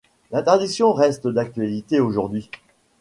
L'interdiction reste d'actualité aujourd'hui.